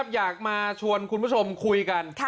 อยากมาชวนคุณผู้ชมคุยกัน